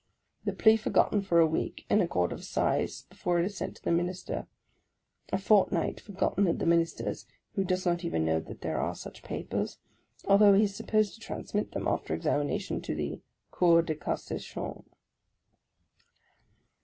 The plea forgotten for a week in a Court of Assize, before it is sent to the Minister; a fortnight forgotten at the Min ister's, who does not even know that there are such papers, although he is supposed to transmit them, after examination, to the " Cour de Cassation."